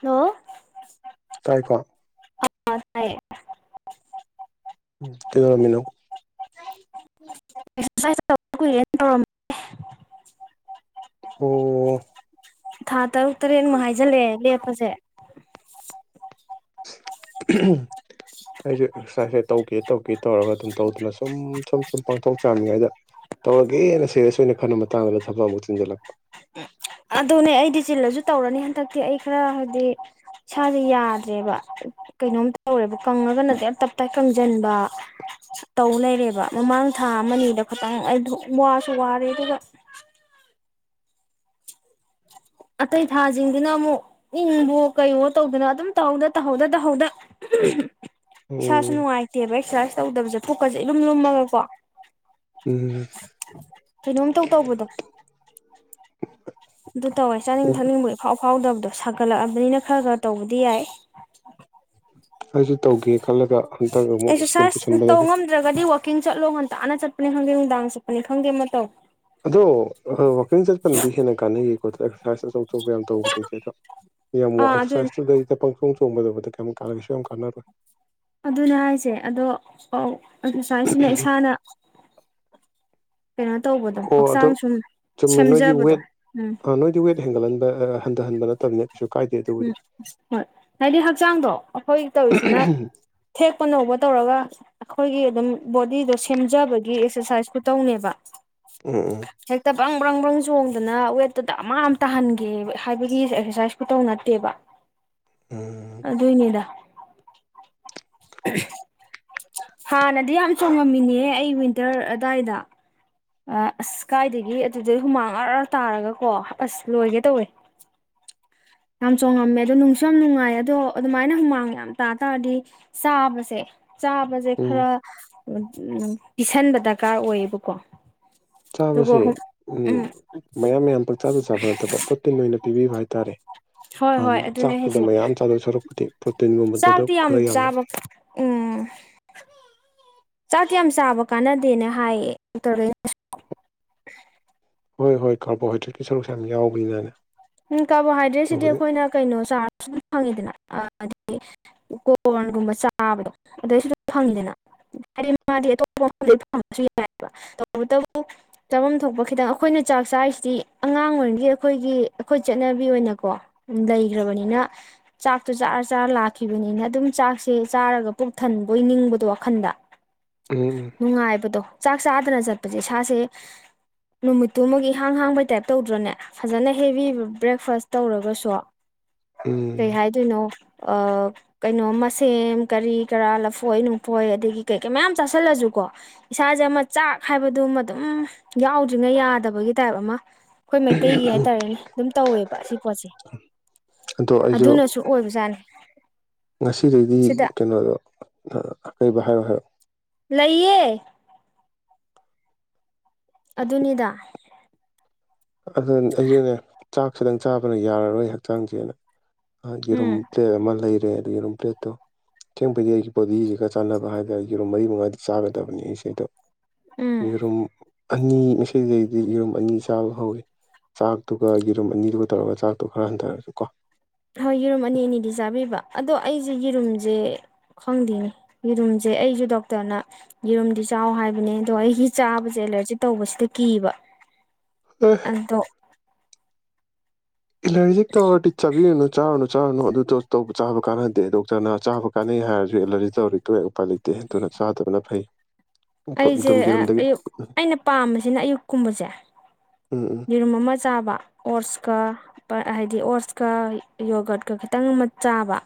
Hello. ꯇꯥꯏꯀꯣ꯫ [unintelligible] ꯎꯝ ꯀꯩꯗꯧꯔꯝꯃꯤꯅꯣ꯫ [unintelligible] ꯑꯣ꯫ ꯊꯥ ꯇꯔꯨꯛ ꯇꯔꯦꯠꯃꯨꯛ ꯍꯥꯏꯖꯜꯂꯛꯑꯦ [unintelligible] [unintelligible] ꯑꯩꯖꯨ ꯑꯦꯛꯁꯔꯁꯥꯏꯁꯁꯦ ꯇꯧꯒꯦ ꯇꯧꯒꯦ ꯇꯧꯔꯒ ꯑꯗꯨꯝ ꯇꯧꯗꯅ ꯁꯨꯝ ꯁꯨꯝ ꯁꯨꯝ ꯄꯥꯡꯈꯣꯛ ꯆꯥꯃꯤꯉꯩꯗ ꯇꯧꯔꯒꯦꯅ ꯁꯦꯔꯤꯌꯁ ꯑꯣꯏꯅ ꯈꯟꯕ ꯃꯇꯥꯡꯗ ꯊꯕꯛ ꯑꯃꯨꯛ ꯆꯤꯟꯖꯟꯂꯛꯄ꯫ ꯑꯗꯨꯅꯦ ꯑꯩꯗꯤ ꯆꯤꯜꯂꯁꯨ ꯇꯧꯔꯅꯤ ꯍꯟꯗꯛꯇꯤ ꯑꯩ ꯈꯔ ꯍꯥꯏꯕꯗꯤ ꯏꯁꯥꯁꯦ ꯌꯥꯗ꯭ꯔꯦꯕ ꯀꯩꯅꯣꯝ ꯇꯧꯔꯦꯕ ꯀꯪꯉꯒꯅꯗꯤ ꯀꯏꯝ ꯇꯞ ꯇꯥꯟꯒꯩ ꯀꯪꯖꯟꯕ ꯇꯧ ꯂꯩꯔꯦꯕ ꯃꯃꯥꯡ ꯊꯥ ꯑꯃꯅꯤꯗ ꯈꯠꯇꯪ ꯑꯩꯗꯨ ꯋꯥꯁꯨ ꯋꯥꯔꯦ ꯑꯗꯨꯒ ꯑꯇꯩ ꯊꯥꯁꯤꯡꯗꯨꯅ ꯑꯃꯨꯛ ꯏꯪꯕꯣ ꯀꯩꯩꯕꯣ ꯇꯧꯗꯅ ꯑꯗꯨꯝ ꯇꯧꯍꯧꯗ ꯇꯧꯍꯧꯗ ꯇꯧꯍꯧꯗ [unintelligible] ꯎꯝ꯫ ꯇꯦꯕ ꯑꯦꯛꯁꯔꯁꯥꯏꯁ ꯇꯧꯗꯕꯁꯦ ꯐꯣꯛꯀꯁꯦ ꯑꯗꯨꯝ ꯂꯨꯝꯃꯒꯀꯣ ꯎꯝ ꯀꯩꯅꯣꯝꯇꯧ ꯇꯧꯕꯗꯣ ꯑꯗꯨ ꯇꯧꯋꯦ ꯆꯥꯅꯤꯡ ꯊꯛꯅꯤꯡꯕ ꯏꯐꯥꯎꯐꯥꯎꯗꯕꯗꯣ ꯁꯥꯒꯠꯂꯛꯑꯕꯅꯤꯅ ꯈꯔ ꯈꯔ ꯇꯧꯕꯗꯤ ꯌꯥꯏ ꯑꯩꯁꯨ ꯇꯧꯒꯦ ꯈꯜꯂꯒ ꯍꯟꯇꯒ ꯁ꯭ꯀꯨꯜ ꯑꯦꯛꯁꯔꯁꯥꯏꯁ ꯄꯨꯁꯟꯕ ꯇꯧ ꯂꯩꯦ ꯉꯝꯗ꯭ꯔꯒꯗꯤ ꯋꯥꯛꯀꯤꯡ ꯆꯠꯂꯣ ꯉꯟꯇꯥꯅ ꯆꯠꯄꯅꯤ ꯈꯪꯗꯦ ꯅꯨꯡꯗꯥꯡ ꯆꯠꯄꯅꯤ ꯈꯪꯗꯦ ꯃꯇꯧ ꯑꯗꯣ ꯋꯥꯋꯀꯤꯡ ꯆꯥꯖꯄꯟꯗꯤ ꯍꯦꯟꯅ ꯀꯥꯟꯅꯩꯌꯦ [inaudible] ꯑ ꯌꯥꯝ ꯇꯧꯕꯗꯤ ꯑꯗꯣ ꯌꯥꯝ ꯑꯥ ꯑꯗꯨꯅꯦ ꯑꯦꯛꯁꯔꯁꯥꯏꯁꯇꯗꯩ ꯈꯣꯡ ꯆꯣꯡꯕꯗꯕꯗ ꯀꯩꯝꯛ ꯀꯥꯟꯅꯒꯁꯨ ꯌꯥꯝ ꯀꯥꯟꯅꯔꯣꯏ ꯑꯗꯨꯅꯦ ꯍꯥꯏꯁꯦ ꯑꯗꯣ ꯑꯦꯛꯁꯔꯁꯥꯏꯁꯤꯅ ꯏꯁꯥꯅ ꯀꯩꯅꯣ ꯇꯧꯕꯗꯣ ꯑꯣ ꯑꯗꯨꯣ ꯍꯛꯆꯥꯡ ꯁꯨꯝ ꯆꯨꯝꯃꯦ ꯅꯣꯏꯗꯤ ꯁꯦꯝꯖꯕꯗꯣ ꯋꯦꯠ ꯎꯝ ꯅꯣꯏꯗꯤ ꯋꯦꯠ ꯍꯦꯟꯒꯠꯍꯟꯕ ꯍꯟꯊꯍꯟꯕ ꯅꯠꯇꯕꯅꯤ ꯎꯝ ꯍꯣꯏ ꯍꯥꯏꯗꯤ ꯍꯛꯆꯥꯡꯗꯣ ꯑꯩꯈꯣꯏ ꯇꯧꯔꯤꯁꯤꯅ ꯊꯦꯛꯄ ꯅꯧꯕ ꯇꯧꯔꯒ ꯑꯩꯈꯣꯏꯒꯤ ꯑꯗꯨꯝ ꯕꯣꯗꯤꯗꯣ ꯁꯦꯝꯖꯕꯒꯤ ꯑꯦꯛꯁꯔꯁꯥꯏꯁꯀꯨ ꯇꯧꯅꯦꯕ ꯎꯝ ꯎꯝ ꯕ꯭ꯔꯪ ꯕ꯭ꯔꯪ ꯕ꯭ꯔꯪ ꯆꯣꯡꯗꯅ ꯋꯦꯠꯇꯨꯗ ꯑꯃ ꯑꯃ ꯇꯥꯍꯟꯒꯦ ꯍꯥꯏꯕꯒꯤ ꯑꯦꯛꯁꯔꯁꯥꯏꯁꯀꯨ ꯇꯧꯅ ꯗꯦꯕ ꯎꯝ ꯑꯗꯨ ꯑꯗꯨ ꯏꯅꯦꯗ ꯍꯥꯟꯅꯗꯤ ꯌꯥꯝ ꯆꯣꯡꯉꯝꯃꯤꯅꯦꯍ ꯑꯩ ꯋꯤꯟꯇꯔ ꯑꯗꯨꯗꯥꯏꯗ ꯑꯁ ꯀꯥꯏꯗꯒꯤ ꯑꯗꯨꯗꯩ ꯍꯨꯃꯥꯡ ꯉꯥꯛ ꯇꯥꯔꯒꯀꯣ ꯑꯁ ꯂꯣꯏꯒꯦ ꯇꯧꯋꯦ ꯌꯥꯝ ꯆꯣꯡꯉꯝꯃꯦ ꯑꯗꯣ ꯅꯨꯡꯁꯨ ꯌꯥꯝ ꯅꯨꯡꯉꯥꯏ ꯑꯗꯣ ꯑꯗꯨꯃꯥꯏꯅ ꯍꯨꯃꯥꯡ ꯌꯥꯝ ꯇꯥꯇꯥꯥꯔꯗꯤ ꯆꯥꯕꯁꯦ ꯆꯥ ꯃꯖꯦ ꯎꯝ ꯈꯔ ꯎ ꯄꯤꯁꯟꯕ ꯗꯔꯀꯥꯔ ꯑꯣꯏꯌꯦꯕꯀꯣ ꯑꯗꯨꯒ ꯆꯥꯕꯁꯦ ꯎꯝ ꯃꯌꯥꯝ ꯃꯌꯥꯝ ꯄꯛꯆꯥꯗ ꯆꯥꯕ ꯅꯠꯇꯕ ꯄ꯭ꯔꯣꯇꯤꯟ ꯑꯣꯏꯅ ꯄꯤꯕꯤꯕ ꯍꯥꯏ ꯇꯥꯔꯦ ꯍꯣꯏ ꯍꯣꯏ ꯑꯗꯨꯅꯦ ꯍꯧꯖꯤꯛ ꯁꯔꯨꯛꯄꯨꯗꯤ ꯄ꯭ꯔꯣꯇꯤꯟꯒꯨꯝꯕꯗꯨꯗ ꯆꯥꯛꯗꯤꯤ ꯌꯥꯝ ꯈꯔ ꯌꯥꯝꯅ ꯆꯥꯕ ꯎꯝ ꯆꯥꯛꯇ ꯌꯥꯝ ꯆꯥꯕ ꯀꯥꯟꯅꯗꯦꯅ ꯍꯥꯏꯌꯦ ꯗꯣꯛꯇ ꯍꯣꯏ ꯍꯣꯏ ꯀꯥꯔꯕꯣꯍꯥꯏꯗ꯭ꯔꯦꯠꯀꯤ ꯁꯔꯨꯛꯁ ꯌꯥꯝ ꯌꯥꯎꯕꯅꯅ ꯎꯝ ꯀꯥꯔꯕꯣꯍꯥꯏꯗ꯭ꯔꯦꯠꯁꯤꯗꯤ ꯑꯩꯈꯣꯏꯅ ꯀꯩꯅꯣ ꯆꯥꯔ ꯐꯪꯉꯤꯗꯅ ꯑꯗꯒꯤ ꯀꯣꯔꯟꯒꯨꯝꯕ ꯆꯥꯕꯗꯣ ꯑꯗꯨꯩꯁꯨ ꯑꯗꯨꯝ ꯐꯪꯉꯤꯗꯅ ꯍꯥꯏꯗꯤ ꯃꯥꯗꯤ ꯑꯇꯣꯞꯄ ꯃꯐꯝꯗ ꯐꯪꯕꯁꯨ ꯌꯥꯏꯑꯕ ꯇꯧꯕꯇꯕꯨ ꯆꯥꯐꯝ ꯊꯣꯛꯄ ꯈꯤꯇꯪ ꯑꯩꯈꯣꯏꯅ ꯆꯥꯛ ꯆꯥꯔꯤꯁꯤꯗꯤ ꯑꯉꯥꯡ ꯑꯣꯏꯔꯤꯉꯒꯤ ꯑꯩꯈꯣꯏꯒꯤ ꯑꯩꯈꯣꯏ ꯆꯠꯅꯕꯤ ꯑꯣꯏꯅꯀꯣ ꯂꯩꯈ꯭ꯔꯕꯅꯤꯅ ꯆꯥꯛꯇꯣ ꯆꯥꯔ ꯆꯥꯔ ꯂꯥꯛꯈꯤꯕꯅꯤꯅ ꯑꯗꯨꯝ ꯆꯥꯛꯁꯦ ꯆꯥꯔꯒ ꯄꯨꯛ ꯊꯟꯕꯣꯏ ꯅꯤꯡꯕꯗꯣ ꯋꯥꯈꯟꯗ ꯎꯝ ꯅꯨꯡꯉꯥꯏꯕꯗꯣ ꯆꯥꯛ ꯆꯥꯗꯅ ꯆꯠꯄꯁꯦ ꯏꯁꯥꯁꯦ ꯅꯨꯃꯤꯠꯇꯨꯃ ꯏꯍꯥꯡ ꯍꯥꯡꯕꯩ ꯇꯥꯏꯞ ꯇꯧꯗ꯭ꯔꯣꯅꯦ ꯐꯖꯅ ꯍꯦꯚ ꯕ꯭ꯔꯦꯛꯐꯥꯁ ꯇꯧꯔꯒꯁꯨ ꯎꯝ ꯀꯩ ꯍꯥꯏꯗꯣꯏꯅꯣ ꯀꯩꯅꯣ ꯃꯁꯦꯝ ꯀꯔꯤ ꯀꯔꯥ ꯂꯐꯣꯏ ꯅꯨꯡꯐꯣꯏ ꯑꯗꯒꯤ ꯀꯩ ꯀꯩ ꯃꯌꯥꯝ ꯆꯥꯁꯤꯜꯂꯁꯨꯀꯣ ꯏꯁꯥꯁꯦ ꯑꯃ ꯆꯥꯛ ꯍꯥꯏꯕꯗꯨꯃ ꯑꯗꯨꯝ ꯌꯥꯎꯗ꯭ꯔꯤꯉꯩ ꯌꯥꯗꯕꯒꯤ ꯇꯥꯏꯞ ꯑꯃ ꯑꯩꯈꯣꯏ ꯃꯩꯇꯩꯒꯤ ꯍꯥꯏ ꯔꯅꯤ ꯑꯗꯨꯝ ꯇꯧꯋꯦꯕ ꯁꯤ ꯄꯣꯠꯁꯦ ꯑꯗꯣ ꯑꯩꯁꯨ ꯑꯗꯨꯅꯁꯨ ꯑꯣꯏꯕꯖꯥꯠꯅꯤ ꯉꯁꯤꯗꯩꯗꯤ ꯁꯤꯗ ꯀꯩꯅꯣꯗꯣ ꯑꯀꯩꯕ ꯍꯥꯏꯔꯣ ꯍꯥꯏꯔꯛ ꯂꯩꯌꯦ ꯑꯗꯨꯅꯤꯗ ꯑꯗꯨ ꯑꯩꯁꯨꯅꯦ ꯆꯥꯛ ꯈꯤꯇꯪ ꯆꯥꯕꯅ ꯌꯥꯔꯔꯣꯏ ꯍꯛꯆꯥꯡꯁꯦꯅ ꯌꯦꯔꯨꯝ ꯎꯝ ꯄ꯭ꯂꯦꯠ ꯑꯃ ꯂꯩ ꯦ ꯑ ꯌꯦꯔꯨꯝ ꯄ꯭ꯂꯦꯠꯇꯣ ꯊꯦꯡꯕꯩꯗꯤ ꯑꯩꯒꯤ ꯕꯣꯗꯤꯁꯤꯒ ꯆꯥꯟꯅꯕ ꯍꯥꯏꯇꯥꯔꯦ ꯌꯦꯔꯨꯝ ꯃꯔꯤ ꯃꯉꯥꯗꯤ ꯆꯥꯒꯗꯕꯅꯤ ꯑꯩꯁꯦ ꯑꯩꯗꯣ ꯎꯝ ꯌꯦꯔꯨꯝ ꯑꯅꯤ ꯉꯁꯤꯗꯒꯤꯩꯗꯤ ꯌꯦꯔꯨꯝ ꯑꯅꯤ ꯆꯥꯕ ꯍꯧꯋꯤ ꯆꯥꯛꯇꯨꯒ ꯌꯦꯔꯨꯝ ꯑꯅꯤꯗꯨꯒ ꯇꯧꯔꯒ ꯆꯥꯛꯇꯣ ꯈꯔ ꯍꯟꯊꯔꯁꯨ ꯀꯣ ꯍꯣꯏ ꯌꯦꯔꯨꯝ ꯑꯅꯤ ꯑꯅꯤꯗꯤ ꯆꯥꯕꯤꯕ ꯑꯗꯣ ꯑꯩꯁꯦ ꯌꯦꯔꯨꯝꯁꯦ ꯈꯪꯗꯦꯅꯦ ꯌꯦꯔꯨꯝꯁꯦ ꯑꯩꯁꯨ ꯗꯣꯛꯇꯔꯅ ꯌꯦꯔꯨꯝꯗꯤ ꯆꯥꯎ ꯍꯥꯏꯕꯅꯦ ꯑꯗꯣ ꯑꯩꯒꯤ ꯆꯥꯕꯁꯦ ꯑꯦꯂꯔꯖꯤ ꯇꯧꯕꯁꯤꯗ ꯀꯤꯕ ꯑꯦ ꯑꯗꯣ ꯑꯦꯂꯔꯖꯤ ꯍꯦ ꯇꯧꯔꯗꯤ ꯆꯥꯕꯤꯔꯨꯅꯨ ꯆꯥꯔꯨ ꯆꯥꯔꯨꯅꯨ ꯑꯗꯨ ꯇ ꯇ ꯆꯥꯕ ꯀꯥꯟꯅꯗꯦ ꯗꯣꯛꯇꯔꯅ ꯆꯥꯕ ꯀꯥꯟꯅꯩ ꯍꯥꯏꯔꯁꯨ ꯑꯦꯂꯔꯖꯤ ꯇꯧꯔꯔꯤ ꯂꯄꯥ ꯂꯩꯇꯦ ꯍꯦꯟꯗꯨꯨꯅ ꯆꯥꯗꯕꯅ ꯐꯩ ꯑꯩꯁꯦ ꯑꯗꯨꯝ ꯌꯦꯔꯨꯝꯗꯒꯤ ꯑꯌꯨꯛ ꯑꯩꯅ ꯄꯥꯝꯕꯁꯤꯅ ꯑꯌꯨꯛ ꯀꯨꯝꯕꯁꯦ ꯎꯝ ꯎꯝ ꯌꯦꯔꯨꯝ ꯑꯃ ꯆꯥꯕ ꯑꯣꯔꯁꯀ ꯍꯥꯏꯗꯤ ꯑꯣꯠꯁꯀ ꯌꯣꯒꯠꯀ ꯈꯤꯇꯪ ꯑꯃ ꯆꯥꯕ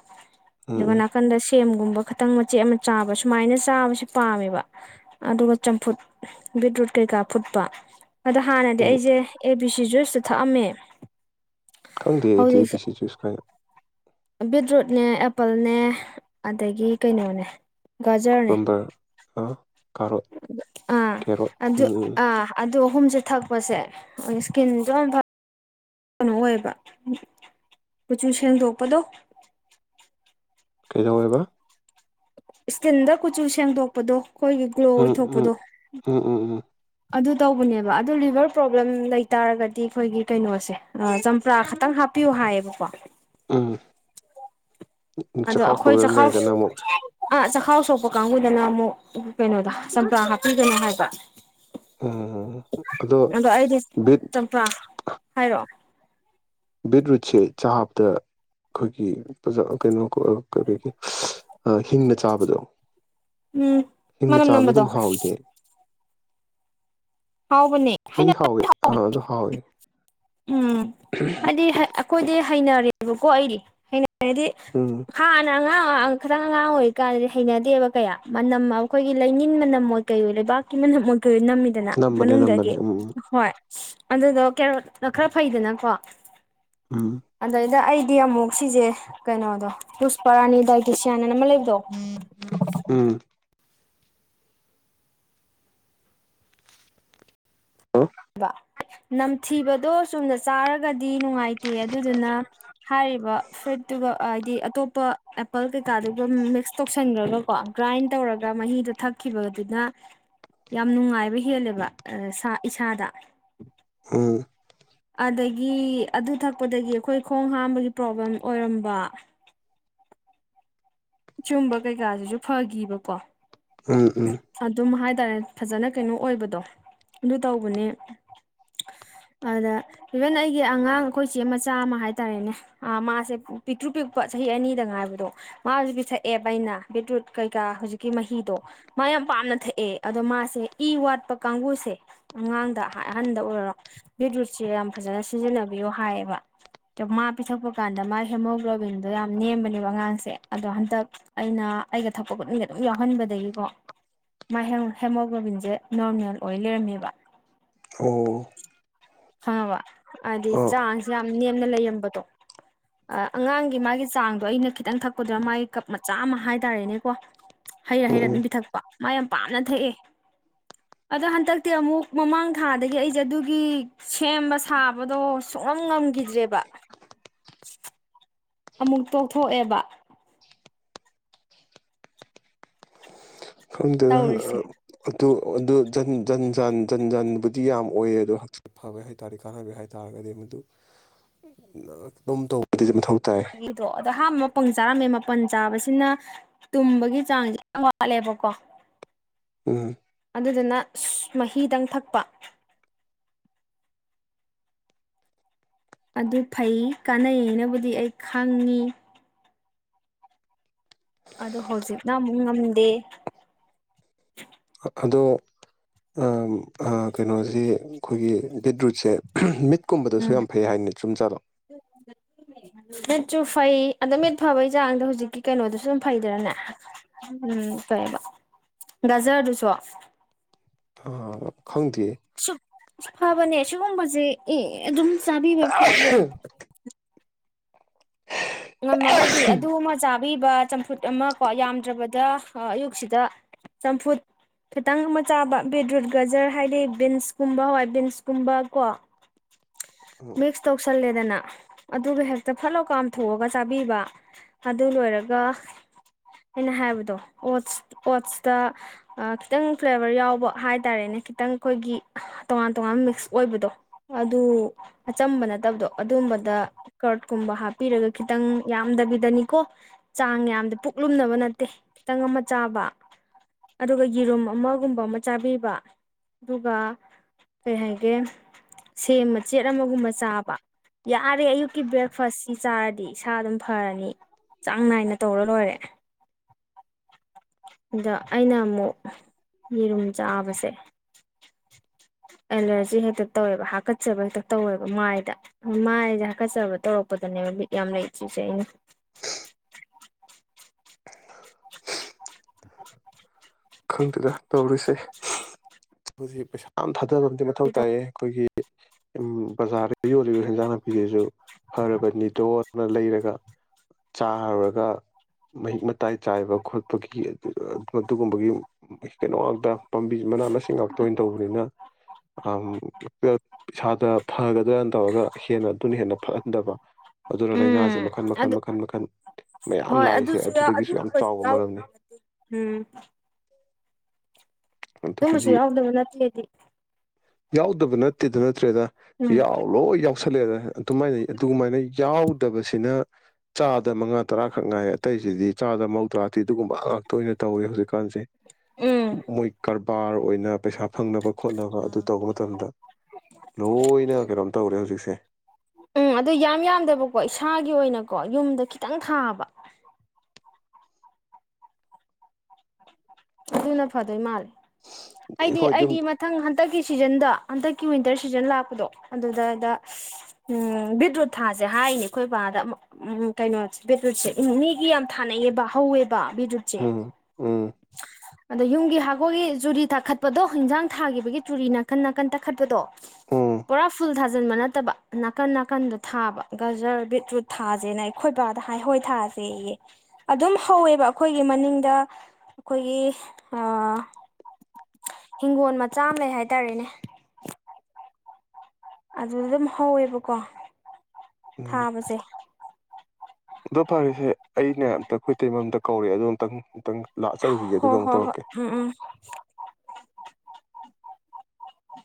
ꯎꯝ ꯗꯣꯟ ꯎꯝ ꯑꯀꯟꯗꯁꯤ ꯁꯦꯝꯒꯨꯝꯕ ꯈꯈꯤꯇꯪ ꯃꯆꯦꯠ ꯑꯃ ꯆꯥꯕ ꯁꯨꯃꯥꯏꯅ ꯆꯥꯕꯕꯁꯤꯦ ꯄꯥꯝꯃꯦꯕ ꯑꯗꯨꯒ ꯆꯝꯐꯨꯠ ꯕꯤꯠꯔꯨꯠ ꯀꯩꯀꯥ ꯐꯨꯠꯄ ꯑꯗꯣ ꯍꯥꯟꯅꯗꯤ ꯎꯝ ꯑꯩꯁꯦ ꯕꯤꯁꯤ ꯖꯨꯁꯇ ꯊꯛꯑꯝꯃꯦ ꯀꯪꯗꯦ ꯑꯩꯗꯤ ꯑꯦ ꯄꯤ ꯍꯧꯖꯤꯛꯁꯦ ꯁꯤ ꯆꯨꯁꯀꯅ ꯕꯤꯠꯔꯨꯠꯅꯦ ꯑꯦꯄꯜꯅꯦ ꯑꯗꯒꯤ ꯀꯩꯅꯣꯅꯦ ꯀꯣꯄꯝꯕꯔ ꯑ ꯀꯥꯔꯣꯠ ꯑ ꯀꯦꯔꯣꯠ ꯑꯗꯨ ꯎꯝ ꯎꯝ ꯑ ꯑꯗ ꯑꯍꯨꯝꯁꯦ ꯊꯛꯄꯁꯦ ꯏꯁꯀꯤꯟꯁꯨ ꯌꯥꯝ ꯐ ꯀꯩꯅꯣ ꯑꯣꯏꯕ ꯀꯨꯆꯨ ꯁꯦꯡꯗꯣꯛꯄꯗꯣ ꯀꯩꯗꯧꯋꯦꯕ ꯏꯁꯇꯤꯟꯗ ꯀꯨꯆꯨ ꯁꯦꯡꯗꯣꯛꯄꯗꯣ ꯑꯩꯈꯣꯏꯒꯤ ꯒ꯭ꯂꯣ ꯎꯝ ꯎꯝ ꯑꯣꯏꯊꯣꯛꯄꯗꯣ ꯎꯝ ꯎꯝ ꯑꯗꯨ ꯇꯧꯕꯅꯦꯕ ꯑꯗꯨ ꯂꯤꯚꯔ ꯄ꯭ꯔꯣꯕ꯭ꯂꯦꯝ ꯂꯩꯇꯥꯔꯒꯗꯤ ꯑꯩꯈꯣꯏꯒꯤ ꯀꯩꯅꯣꯁꯦ ꯆꯝꯄ꯭ꯔꯥ ꯈꯛꯇꯪ ꯍꯥꯞꯄꯤꯌꯨ ꯍꯥꯏꯌꯦꯕꯀꯣ ꯑꯥ ꯑꯗꯣ ꯑꯩꯈꯣꯏ ꯆꯥꯎ ꯑ ꯆꯥꯎ ꯁꯣꯛꯄ ꯀꯥꯡꯕꯨꯗꯅ ꯑꯃꯨꯛ ꯀꯩꯅꯣꯗ ꯆꯝꯄ꯭ꯔꯥ ꯍꯥꯞꯄꯤꯒꯅ ꯍꯥꯏꯕ ꯎ ꯑꯗ ꯑꯗꯣ ꯑꯩꯗꯤ ꯃꯤ ꯆꯝꯄ꯭ꯔꯥ ꯍꯥꯏꯔꯣ ꯕꯤꯠꯔꯨꯠꯁꯦ ꯆꯥꯕꯗ ꯑꯩꯈꯣꯏꯒꯤ ꯀꯩꯅꯣ ꯍꯤꯡꯅ ꯆꯥꯕꯗꯣ ꯎꯝ ꯍꯤꯡꯅ ꯃꯅꯝ ꯆꯥꯕꯗꯣ ꯅꯝꯕꯗꯣ ꯑꯗꯨꯝ ꯍꯥꯎꯋꯤꯅꯦ ꯍꯥꯎꯕꯅꯦ ꯍꯥꯏꯅ ꯑꯩꯗꯤ ꯍꯥꯎꯋꯦ ꯑꯥ ꯑꯗꯨ ꯍꯥꯎꯋꯦ ꯎꯝ ꯍꯥꯏꯗꯤ ꯑꯩꯈꯣꯏꯗꯤ ꯍꯩꯅꯔꯦꯕꯀꯣ ꯑꯩꯗꯤ ꯍꯥꯏꯗꯤ ꯎꯝ ꯍꯥꯉ ꯑ ꯈꯤꯇꯪ ꯑꯉꯥꯡ ꯑꯣꯏꯔꯤꯀꯥꯟꯗꯗꯤ ꯍꯩꯅꯗꯦꯕ ꯀꯌꯥ ꯃꯅꯝ ꯑꯩꯈꯣꯏꯒꯤ ꯂꯩꯅꯤꯡꯟ ꯃꯅꯝ ꯑꯣꯏ ꯀꯔꯤꯣ ꯂꯩꯕꯥꯛꯀꯤ ꯃꯅꯝ ꯑꯣꯏ ꯀꯔꯤꯣ ꯅꯝꯃꯤ ꯅꯝꯕꯅꯦ ꯅꯝꯕꯅꯦ ꯃꯅꯨꯡꯗꯒꯤ ꯎꯝ ꯍꯣꯏ ꯑꯗꯨꯗ ꯀ ꯅ ꯈꯔ ꯐꯩꯗꯅꯀꯣ ꯎꯝ ꯑꯗꯗ ꯑꯩ ꯗꯤ ꯑꯃꯨꯛ ꯁꯤꯁꯦ ꯀꯩꯅꯣꯗꯣ ꯂꯨꯁꯄꯔꯥꯅꯤ ꯗꯥꯏꯇꯁꯤꯌꯥꯟ ꯎꯝ ꯅꯝꯊꯤꯕꯗꯣ ꯆꯨꯝꯅ ꯆꯥꯔꯒꯗꯤ ꯅꯨꯡꯉꯥꯏꯇꯦ ꯑꯗꯨꯗꯨꯅ ꯍꯥꯏꯔꯤꯕ ꯐ꯭ꯔꯨꯏꯠꯇꯨꯒ ꯍꯥꯏꯗꯤ ꯑꯇꯣꯞꯄ ꯑꯦꯄꯜ ꯀꯩꯀꯥꯗꯨꯒ ꯃꯤꯛꯁ ꯇꯧꯁꯟꯈ꯭ꯔꯒꯀꯣ ꯒ꯭ꯔꯥꯏꯟ ꯇꯧꯔꯒ ꯃꯍꯤꯗꯣ ꯊꯛꯈꯤꯕꯗꯨꯅ ꯌꯥꯝ ꯅꯨꯡꯉꯥꯏꯕ ꯍꯦꯜꯂꯦꯕ ꯆꯥꯗꯥ ꯎꯝ ꯑꯗꯒꯤ ꯑꯗꯨ ꯊꯛꯄꯗꯒꯤ ꯑꯩꯈꯣꯏ ꯈꯣꯡ ꯍꯥꯝꯕꯒꯤ ꯄ꯭ꯔꯣꯕ꯭ꯂꯦꯝ ꯑꯣꯏꯔꯝꯕ ꯆꯨꯝꯕ ꯀꯩꯀꯥꯁꯤꯁꯨ ꯐꯈꯤꯕꯀꯣ ꯎꯝ ꯎꯝ ꯍꯥꯏ ꯇꯔꯦꯅꯦ ꯐꯖꯅ ꯀꯩꯅꯣ ꯑꯣꯏꯕꯗꯣ ꯑꯗꯨ ꯇꯧꯕꯅꯦ ꯑꯗ ꯏꯚꯟ ꯑꯩꯒꯤ ꯑꯉꯥꯡ ꯑꯩꯈꯣꯏꯆꯦ ꯃꯆꯥ ꯑꯃ ꯍꯥꯏꯇꯥꯔꯦꯅꯦ ꯃꯥꯁꯦ ꯄꯤꯛꯇ꯭ꯔꯨ ꯄꯤꯛꯄ ꯆꯍꯤ ꯑꯅꯤꯗ ꯉꯥꯏꯕꯗꯣ ꯃꯥꯁꯨ ꯄꯤꯛꯊꯛꯑꯦꯕ ꯑꯩꯅ ꯕꯤꯠꯔꯨꯠ ꯀꯩꯀꯥ ꯍꯧꯖꯤꯛꯀꯤ ꯃꯍꯤꯗꯣ ꯃꯥ ꯌꯥꯝ ꯄꯥꯝꯅ ꯊꯛꯑꯦ ꯑꯗꯣ ꯃꯥꯁꯦ ꯏ ꯋꯥꯠꯄ ꯀꯥꯡꯕꯨꯁꯦ ꯑꯉꯥꯡꯗ ꯑꯍꯟꯗ ꯑꯣꯏꯔꯔꯣ ꯕꯤꯠꯔꯨꯠꯁꯦ ꯌꯥꯝ ꯐꯖꯅ ꯁꯤꯖꯤꯟꯅꯕꯤꯌꯣ ꯍꯥꯏꯌꯦꯕ ꯑꯗꯣ ꯃꯥ ꯄꯤꯊꯛꯄ ꯀꯥꯟꯗ ꯃꯥ ꯍꯦꯃꯣꯒ꯭ꯂꯣꯕꯤꯟꯗꯣ ꯌꯥꯝ ꯅꯦꯝꯕꯅꯦꯕ ꯑꯉꯥꯡꯁꯦ ꯑꯗꯣ ꯍꯟꯗꯛ ꯑꯩꯅ ꯑꯩꯒ ꯊꯛꯄ ꯈꯨꯠꯅꯤꯡꯗ ꯑꯗꯨꯝ ꯌꯥꯎꯍꯟꯕꯗꯒꯤꯀꯣ ꯍꯦꯃꯣꯒ꯭ꯂꯣꯕꯤꯟꯁꯦ ꯅꯣꯔꯃꯦꯜ ꯑꯣꯏ ꯂꯩꯔꯝꯃꯦꯕ ꯑꯣ ꯈꯪꯉꯕ ꯍꯥꯏꯗꯤ ꯑꯥ ꯆꯥꯡꯁ ꯌꯥꯝ ꯅꯦꯝꯅ ꯂꯩꯔꯝꯕꯗꯣ ꯑꯉꯥꯡꯒꯤ ꯃꯥꯒꯤ ꯆꯥꯡꯗꯣ ꯑꯩꯅ ꯈꯤꯇꯪ ꯊꯛꯄꯗꯨꯅ ꯃꯥꯒꯤ ꯀꯞ ꯃꯆꯥ ꯑꯃ ꯍꯥꯏꯇꯥꯔꯦꯅꯦꯀꯣ ꯍꯩꯔ ꯎꯝ ꯍꯩꯔꯠ ꯎꯝ ꯑꯗꯨꯝ ꯄꯤꯊꯛ ꯃꯥ ꯌꯥꯝ ꯄꯥꯝꯅ ꯊꯛꯑꯦ ꯑꯗꯣ ꯍꯟꯗꯛꯇꯤ ꯑꯃꯨꯛ ꯃꯃꯥꯡ ꯊꯥꯗꯒꯤ ꯑꯩꯁꯦ ꯑꯗꯨꯒꯤ ꯁꯦꯝꯕ ꯁꯥꯕꯗꯣ ꯁꯨꯡꯉꯝ ꯉꯝꯈꯤꯗ꯭ꯔꯦꯕ ꯑꯃꯨꯛ ꯇꯣꯛꯊꯣꯛꯑꯦꯕ ꯑꯗ ꯇꯧꯔꯤꯁꯦ ꯑꯗꯨ ꯑꯗꯨ ꯑꯗꯨ ꯖꯟ ꯖꯟ ꯖꯟ ꯖꯟꯕꯨꯗꯤ ꯌꯥꯝ ꯑꯣꯏꯌꯦ ꯑꯗꯣ ꯍꯛꯆꯤꯠ ꯐꯕꯦ ꯍꯥꯏꯇꯥꯥꯔꯗꯤ ꯀꯥꯟꯅꯅꯕꯦ ꯍꯥꯏꯇꯥꯥꯔꯒꯗꯤ ꯃꯗꯨ ꯑꯗꯨꯝ ꯇꯧꯕꯗ ꯃꯊꯧ ꯇꯥꯏ ꯑꯩꯒꯤꯗꯣ ꯑꯗꯣ ꯍꯥꯥꯝꯕ ꯃ ꯄꯪ ꯆꯥꯔꯝꯃꯦ ꯃꯥꯄꯜ ꯆꯥꯕꯁꯤꯅ ꯇꯨꯝꯕꯒꯤ ꯆꯥꯡꯁꯦ ꯌꯥꯝ ꯋꯥꯠꯂꯦꯕꯀꯣ ꯎꯝ ꯑꯗꯨꯗꯨꯅ ꯃꯍꯤꯗꯪ ꯊꯛꯄ ꯑꯗꯨ ꯐꯩ ꯀꯥꯟꯅꯩꯌꯦꯅꯕꯨꯗꯤ ꯑꯩ ꯈꯪꯉꯤ ꯑꯗꯣ ꯍꯧꯖꯤꯛꯅ ꯑꯃꯨꯛ ꯉꯝꯗꯦ ꯑꯗꯣ ꯀꯩꯅꯣꯁꯤ ꯑꯩꯈꯣꯏꯒꯤ ꯕꯤꯠꯔꯨꯠꯁꯦ ꯃꯤꯠ ꯀꯨꯝꯕꯗꯁꯨ ꯎꯝ ꯌꯥꯝ ꯐꯩ ꯍꯥꯏꯅꯤ ꯆꯨꯝꯖꯠꯂꯣ ꯃꯤꯠꯁꯨ ꯐꯩ ꯑ ꯃꯤꯠ ꯐꯕꯩ ꯆꯥꯡꯗ ꯍꯧꯖꯤꯛꯀꯤ ꯀꯩꯅꯣꯗꯨꯁꯨ ꯑꯗꯨꯝ ꯐꯩꯗꯔꯅꯦ ꯎꯝ ꯀꯩꯕ ꯒꯖꯔꯗꯨꯁꯨ ꯑ ꯈꯡꯗꯦ ꯁꯨꯛ ꯐꯕꯅꯦ ꯁꯤꯒꯨꯝꯕꯁꯤ ꯑꯦ ꯑꯗꯨꯝ ꯆꯥꯕꯤꯕ ꯐꯩꯌꯦ ꯉꯝꯃꯒꯗꯤ ꯑꯗꯨ ꯑꯃ ꯆꯥ ꯄꯥꯛꯄꯤꯕ ꯆꯝꯐꯨꯠ ꯑꯃ ꯀꯣ ꯌꯥꯝꯗ꯭ꯔꯕꯗ ꯑꯌꯨꯛꯁꯤꯗ ꯆꯝꯐꯨꯠ ꯈꯤꯇꯪ ꯑꯃ ꯆꯥꯕ ꯕꯤꯗ꯭ꯔꯨꯠ ꯒꯖꯔ ꯍꯥꯏꯗꯤ ꯕꯤꯟꯁꯀꯨꯝꯕ ꯍꯣꯏ ꯕꯤꯟꯁꯀꯨꯝꯕ ꯀꯣ ꯎꯝ ꯃꯤꯛꯁ ꯇꯧꯁꯜꯂꯦ ꯗꯅ ꯑꯗꯨꯒ ꯍꯦꯛꯇ ꯐꯠꯂꯑꯣ ꯛꯃ ꯄꯨꯊꯣꯛꯑꯒ ꯆꯥꯕꯤꯕ ꯑꯗꯨ ꯂꯣꯏꯔꯒ ꯑꯩꯅ ꯍꯥꯏꯕꯗꯣ ꯑꯣꯠꯁ ꯑꯣꯠꯁꯇ ꯈꯤꯇꯪ ꯐ꯭ꯂꯦꯕꯔ ꯌꯥꯎꯕ ꯍꯥꯏꯇꯥꯔꯦꯅꯦ ꯈꯤꯇꯪ ꯑꯩꯈꯣꯏꯒꯤ ꯇꯣꯉꯥꯟ ꯇꯣꯉꯥꯟ ꯃꯤꯛꯁ ꯑꯣꯏꯕꯗꯣ ꯑꯗꯨ ꯑꯆꯝꯕ ꯅꯠꯇꯕꯗꯣ ꯑꯗꯨꯝꯕꯗ ꯀꯔꯠꯀꯨꯝꯕ ꯍꯥꯞ ꯍꯥꯞꯄꯤꯔꯒ ꯈꯤꯇꯪ ꯌꯥꯝꯗꯕꯤꯗꯅꯤꯀꯣ ꯆꯥꯡ ꯌꯥꯝꯗ ꯄꯨꯛꯂꯨꯝꯅꯕ ꯅꯠꯇꯦ ꯈꯤꯇꯪ ꯑꯃ ꯆꯥꯕ ꯑꯗꯨꯒ ꯌꯦꯔꯨꯝ ꯑꯃꯒꯨꯝꯕ ꯑꯃ ꯆꯥꯕꯤꯕ ꯑꯗꯨꯒ ꯀꯩ ꯍꯥꯏꯒꯦ ꯁꯦꯝ ꯃꯆꯦꯠ ꯑꯃꯒꯨꯝꯕ ꯆꯥꯕ ꯌꯥꯔꯦ ꯑꯌꯨꯛꯀꯤ ꯕ꯭ꯔꯦꯛꯐꯥꯁ ꯆꯥꯔꯗꯤ ꯏꯁꯥ ꯑꯗꯨꯝ ꯐꯔꯅꯤ ꯆꯥꯡ ꯅꯥꯏꯅ ꯇꯧꯔ ꯂꯣꯏꯔꯦ ꯑꯗ ꯑꯩꯅ ꯑꯃꯨꯛ ꯌꯦꯔꯨꯝ ꯆꯥꯕꯁꯦ ꯑꯦꯂꯔꯖꯤ ꯍꯦꯛꯇ ꯇꯧꯋꯦꯕ ꯍꯥꯀꯠꯆꯕ ꯍꯦꯛꯇ ꯇꯧꯋꯦꯕ ꯃꯥꯏꯗ ꯃꯥꯏꯁ ꯍꯥꯀꯠꯆꯕ ꯇꯧꯔꯛꯄꯗꯅꯦꯕ ꯂꯤꯠ ꯌꯥꯝ ꯂꯩ ꯁꯤꯁꯦ ꯑꯩꯅ ꯈꯡꯗꯅ ꯇꯧꯔꯤꯁꯦ ꯍꯧꯖꯤꯛ ꯄꯩꯁꯝ ꯊꯥꯗꯕ ꯑꯃꯗꯤ ꯃꯊꯧ ꯇꯥꯏꯌꯦ ꯑꯩꯈꯣꯏꯒꯤ ꯎ ꯕꯖꯥꯔꯗ ꯌꯣꯂꯤꯕꯥ ꯍꯦꯟꯖꯥꯡ ꯅꯥ ꯐꯤꯖꯦꯁꯨ ꯐꯔꯕꯅꯤ ꯗꯣꯠ ꯂꯩꯔꯒ ꯆꯥꯔꯨꯔꯒ ꯃꯍꯤꯛ ꯃꯇꯥꯏ ꯆꯥꯏꯕ ꯈꯣꯠꯄꯒꯤ ꯃꯗꯨꯨꯝꯕꯒꯤ ꯑꯃꯨꯛ ꯀꯩꯅꯣ ꯑꯗꯥꯛ ꯄꯥꯝꯕꯤꯁꯤ ꯃꯅꯥ ꯃꯁꯤꯡ ꯉꯥꯛꯇ ꯑꯣꯏꯅ ꯇꯧꯕꯅꯤꯅ ꯏꯁꯥꯗ ꯐꯒꯗ꯭ꯔꯅ ꯇꯧꯔꯒ ꯍꯦꯟꯅ ꯑꯗꯨꯅ ꯍꯦꯟꯅ ꯐꯍꯟꯗꯕ ꯑꯗꯨꯅ ꯂꯥꯏꯅꯥꯁꯦ ꯎꯝ ꯃꯈꯜ ꯃꯈꯜ ꯑꯗꯨ ꯃꯈꯜ ꯃꯈꯜ ꯃꯌꯥꯝ ꯍꯣꯏ ꯂꯥꯛꯏꯁꯦ ꯑꯗꯨꯁꯨ ꯑꯗꯨꯗꯒꯤꯁꯨ ꯌꯥꯝ ꯑꯗꯨꯒꯨꯝꯕꯁꯨ ꯆꯥꯎꯕ ꯃꯔꯝꯅꯤ ꯌꯥꯎꯗꯕ ꯅꯠꯇꯦ ꯊꯝꯕꯁꯨ ꯍꯟꯗꯛꯀꯤꯁꯤ ꯌꯥꯎꯗ ꯅꯠꯇꯦꯗꯤ ꯌꯥꯎꯗꯕ ꯅꯠꯇꯦꯗ ꯅꯠꯇ ꯭ꯔꯦꯗ ꯎꯝ ꯌꯥꯎ ꯂꯣ ꯌꯥꯎ ꯇꯧꯁꯜꯂꯛꯑꯦꯗꯅ ꯑꯗꯨꯃꯥꯏꯅ ꯑꯗꯨꯒꯃꯥꯏꯅ ꯌꯥꯎꯗꯕꯁꯤꯅ ꯆꯥꯗ ꯃꯉꯥ ꯇꯔꯥꯈꯛ ꯉꯥꯏ ꯑꯇꯩꯁꯤꯗꯤ ꯆꯥꯗ ꯃꯧꯗ꯭ꯔꯥꯗꯤꯤ ꯑꯗꯨꯒꯨꯝꯕ ꯉꯥꯛꯇ ꯑꯣꯏꯅ ꯇꯧꯋꯦ ꯍꯧꯖꯤꯛꯀꯥꯟꯁꯦ ꯎꯝ ꯃꯣꯏꯀꯔ ꯄꯥꯔ ꯑꯣꯏꯅ ꯄꯩꯁꯥ ꯐꯪꯅꯕ ꯈꯣꯠꯅꯕ ꯑꯗꯨ ꯇꯧꯕ ꯃꯇꯝꯗ ꯂꯣꯏꯅ ꯀꯩꯅꯣꯝ ꯇꯧꯔꯦ ꯍꯧꯖꯤꯛꯁꯦ ꯎꯝ ꯑꯗꯨ ꯌꯥꯝ ꯌꯥꯝꯗꯕꯀꯣ ꯏꯁꯥꯒꯤ ꯑꯣꯏꯅꯀꯣ ꯌꯨꯝꯗ ꯈꯤꯇꯥꯡ ꯊꯥꯕ ꯑꯗꯨꯅ ꯐꯗꯣꯏ ꯃꯥꯜꯂꯦ ꯑꯩꯗꯤ ꯑꯩꯈꯣꯏ ꯑꯗꯨꯝ ꯑꯩꯗꯤ ꯃꯊꯪ ꯍꯟꯇꯛꯀꯤ ꯁꯤꯖꯟꯗꯣ ꯍꯟꯗꯛꯀꯤ ꯋꯤꯟꯇꯔ ꯁꯤꯖꯟ ꯂꯥꯛꯄꯗꯣ ꯑꯗꯨꯗꯗ ꯎꯝ ꯕꯤꯠꯔꯨꯠ ꯊꯥꯁꯦ ꯍꯥꯏꯔꯤꯅꯦ ꯑꯩꯈꯣꯏ ꯕꯥꯗ ꯎ ꯀꯩꯅꯣ ꯕꯤꯠꯔꯨꯠꯁꯦ ꯎ ꯃꯤꯒꯤ ꯌꯥꯝ ꯊꯥꯅꯩꯌꯦꯕ ꯍꯧꯋꯦꯕ ꯕꯤꯗꯔꯨꯠꯁꯦ ꯎꯝ ꯎꯝ ꯑꯗꯣ ꯌꯨꯝꯒꯤ ꯍꯀꯣꯏꯒꯤ ꯆꯨꯔꯤ ꯇꯛꯈꯠꯄꯗꯣ ꯌꯦꯟꯖꯥꯡ ꯊꯥꯈꯤꯕꯒꯤ ꯆꯨꯔꯤ ꯅꯥꯀꯟ ꯅꯥꯀꯟ ꯇꯛꯈꯠꯄꯗꯣ ꯎꯝ ꯄꯨꯔꯥ ꯐꯜ ꯊꯥ ꯊꯥꯖꯤꯟꯕ ꯅꯠꯇꯕ ꯅꯥꯀꯟ ꯅꯥꯀꯟꯗꯣ ꯊꯥꯕ ꯒꯖꯔ ꯕꯤꯠꯔꯨꯠ ꯊꯥꯁꯦꯅ ꯑꯩꯈꯣꯏ ꯕꯥꯗ ꯍꯥꯏꯍꯣꯏ ꯊꯥꯁꯦꯌꯦ ꯑꯗꯨꯝ ꯍꯧꯋꯦꯕ ꯑꯩꯈꯣꯏꯒꯤ ꯃꯅꯤꯡꯗ ꯑꯩꯈꯣꯏꯒꯤ ꯍꯤꯡꯒꯣꯜ ꯃꯆꯥ ꯑꯃ ꯂꯩ ꯍꯥꯏꯇꯥꯔꯦꯅꯦ ꯑꯗꯨꯗ ꯑꯗꯨꯝ ꯍꯧꯋꯦꯕꯀꯣ ꯎꯝ ꯊꯥꯕꯁꯦ ꯑꯗꯣ ꯐꯔꯁꯦ ꯑꯩꯅ ꯑꯝꯇ ꯑꯩꯈꯣꯏ ꯇꯩꯃꯝꯇ ꯀꯧꯔꯑꯦ ꯑꯗꯣ ꯑꯨꯛꯇꯪ ꯑꯨꯇꯪ ꯂꯥꯛꯑ ꯆꯠꯂꯨꯈꯤꯒꯦ ꯍꯣ ꯑꯗꯨꯒ ꯑꯃꯨꯛ ꯍꯣ ꯍꯣꯏ ꯇꯧꯔꯛꯀꯦ ꯎꯝ ꯎꯝ